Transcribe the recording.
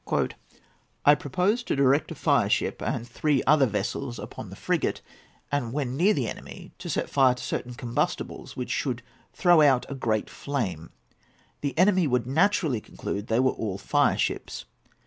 "I proposed to direct a fireship and three other vessels upon the frigate, and, when near the enemy, to set fire to certain combustibles which should throw out a great flame. The enemy would naturally conclude they were all fireships.